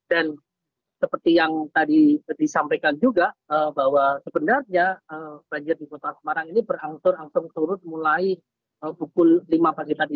dan seperti yang tadi disampaikan juga bahwa sebenarnya banjir di kota semarang ini berangkur angkur turut mulai pukul lima pagi tadi